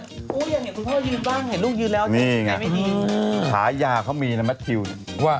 ยังเห็นคุณพ่อยืนบ้างลูกยืนแล้ว